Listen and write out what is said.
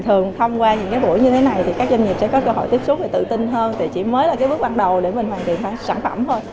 thường thông qua những buổi như thế này thì các doanh nghiệp sẽ có cơ hội tiếp xúc và tự tin hơn chỉ mới là bước bắt đầu để mình hoàn thiện sản phẩm thôi